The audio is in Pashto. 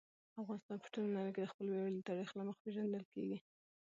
افغانستان په ټوله نړۍ کې د خپل ویاړلي تاریخ له مخې پېژندل کېږي.